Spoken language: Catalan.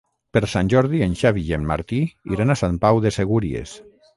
Per Sant Jordi en Xavi i en Martí iran a Sant Pau de Segúries.